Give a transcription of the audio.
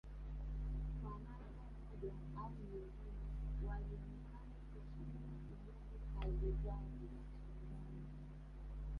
kwa namna moja au nyingine walionekana kushindwa kumudu kazi zao za shambani